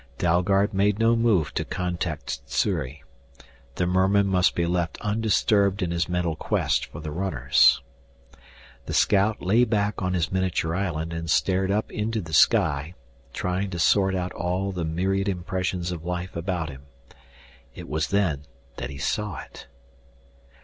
Dalgard made no move to contact Sssuri. The merman must be left undisturbed in his mental quest for the runners. The scout lay back on his miniature island and stared up into the sky, trying to sort out all the myriad impressions of life about him. It was then that he saw it....